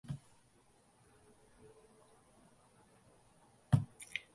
விருந்துணவு மருந்துணவு ஆயிற்று.